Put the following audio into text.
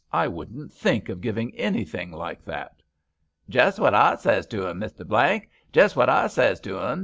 I shouldn't think of giving anything like that." " Jest what I zays to 'un, Maester Blank ; jest what I says to 'un.